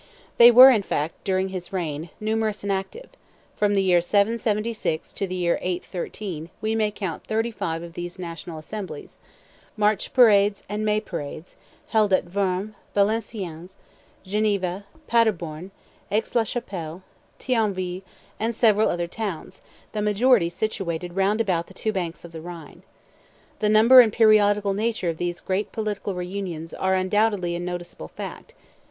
They were, in fact, during his reign, numerous and active; from the year 776 to the year 813 we may count thirty five of these national assemblies, March parades and May parades, held at Worms, Valenciennes, Geneva, Paderborn, Aix la Chapelle, Thionville, and several other towns, the majority situated round about the two banks of the Rhine. The number and periodical nature of these great political reunions are undoubtedly a noticeable fact.